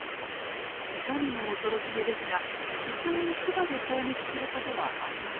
いかにも恐ろしげですが実際に牙で攻撃することはありません。